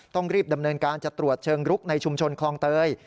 ต้องรีบดำเนินการจะตรวจเชิงรุกในชุมชนคลองเตย